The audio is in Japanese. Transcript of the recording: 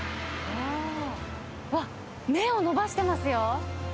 うわっ、麺を伸ばしてますよ。